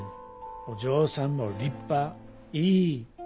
お嬢さんも立派イイ！